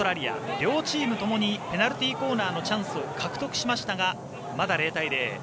両チームともにペナルティーコーナーのチャンス獲得しましたが、まだ０対０。